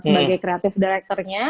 sebagai kreatif direktornya